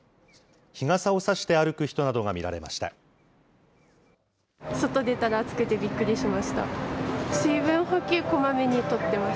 日傘を差して歩く人などが見られました。